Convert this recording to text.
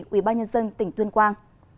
ủy ban nhân dân tỉnh tuyên quang